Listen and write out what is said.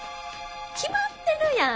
決まってるやん。